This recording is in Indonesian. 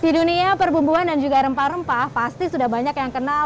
di dunia perbumbuhan dan juga rempah rempah pasti sudah banyak yang kenal